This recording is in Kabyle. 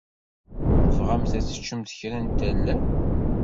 Tebɣamt ad teččemt kra n tanalt?